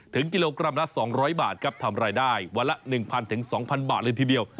กิโลกรัมละ๒๐๐บาทครับทำรายได้วันละ๑๐๐๒๐๐บาทเลยทีเดียว